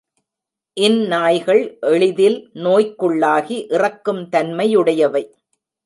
இந் நாய்கள் எளிதில் நோய்க்குள்ளாகி இறக்கும் தன்மையுடையவை.